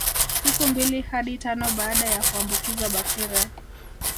Siku mbili hadi tano baada ya kuambukizwa bakteria